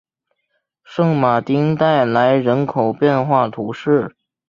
圣马丁代来人口变化图示